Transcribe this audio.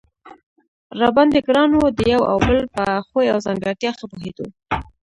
را باندې ګران و، د یو او بل په خوی او ځانګړتیا ښه پوهېدو.